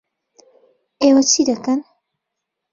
ئێوە چی دەکەن؟